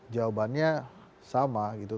jawabannya sama gitu